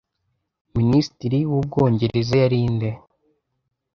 Minisitiri w’Ubwongereza yari nde